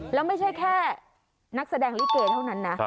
แล้วไม่ใช่แค่นักแสดงลิเกเท่านั้นนะ